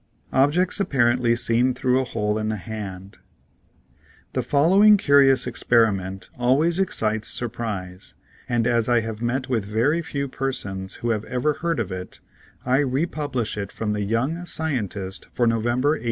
OBJECTS APPARENTLY SEEN THROUGH A HOLE IN THE HAND HE following curious experiment always excites surprise, and as I have met with very few persons who have ever heard of it, I republish it from "The Young Scientist," for November, 1880.